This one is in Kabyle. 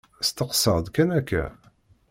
Steqsaɣ-d kan akka.